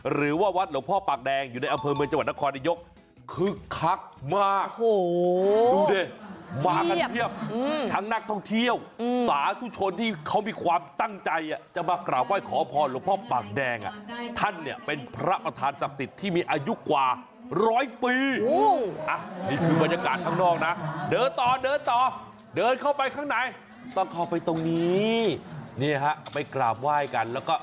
หรือว่าวัดหลวงพ่อปากแดงอยู่ในอำเภอเมืองจังหวัดนักควรนายยก